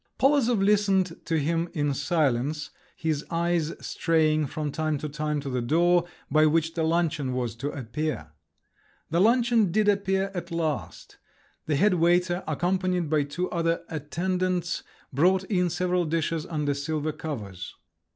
Polozov listened to him in silence, his eyes straying from time to time to the door, by which the luncheon was to appear. The luncheon did appear at last. The head waiter, accompanied by two other attendants, brought in several dishes under silver covers.